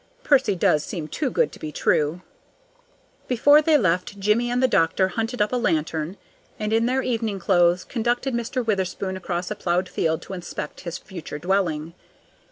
Percy does seem too good to be true. Before they left, Jimmie and the doctor hunted up a lantern, and in their evening clothes conducted Mr. Witherspoon across a plowed field to inspect his future dwelling.